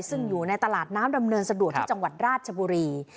ซึ่งอยู่ในตลาดน้ำดำเนินสะดวกที่จังหวัดราชบุรี